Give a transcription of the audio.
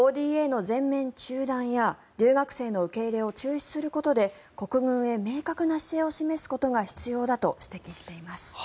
ＯＤＡの全面中断や留学生の受け入れを中止することで国軍へ明確な姿勢を示すことが必要だと指摘しています。